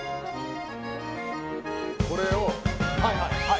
これを。